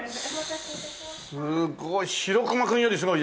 すごい。